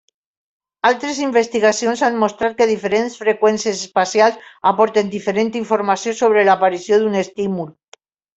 Altres investigacions han mostrat que diferents freqüències espacials aporten diferent informació sobre l'aparició d'un estímul.